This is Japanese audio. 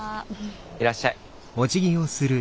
いらっしゃい。